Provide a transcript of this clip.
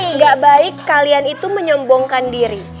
nggak baik kalian itu menyembongkan diri